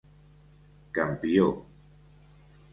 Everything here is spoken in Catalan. Campió: